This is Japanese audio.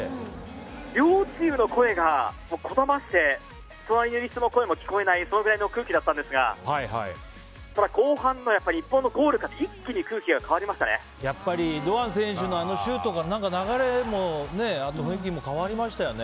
両チームの声がこだまして隣にいる人の声も聞こえないそのくらいの空気だったんですがただ、後半の日本のゴールから堂安選手のシュートで流れも雰囲気も変わりましたよね。